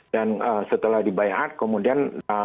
dan setelah dibayar kemudian